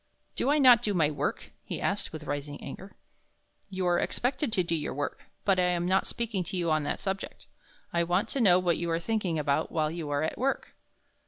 "Do I not do my work?" he asked, with rising anger. "You are expected to do your work, but I am not speaking to you on that subject. I want to know what you are thinking about while you are at work."